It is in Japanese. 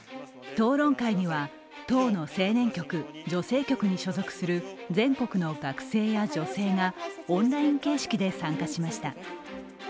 討論会には党の青年局・女性局に所属する全国の学生や女性がオンライン形式で参加しました。